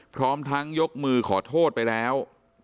พร้อมทั้งยกมือขอโทษไปแล้ว